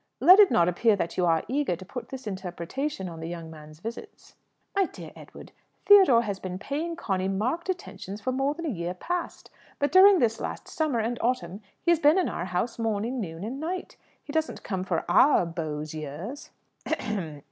Let it not appear that you are eager to put this interpretation on the young man's visits." "My dear Edward, Theodore has been paying Conny marked attentions for more than a year past; but during this last summer and autumn he has been in our house morning, noon, and night. He doesn't come for our beaux yeux."